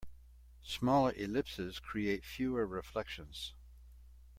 Smaller ellipses create fewer reflections.